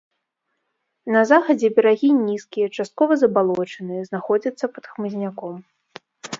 На захадзе берагі нізкія, часткова забалочаныя, знаходзяцца пад хмызняком.